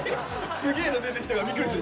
すげえの出てきたからビックリする。